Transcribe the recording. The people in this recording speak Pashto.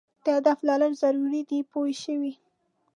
د هدف لرل ضرور دي پوه شوې!.